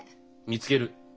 見つける。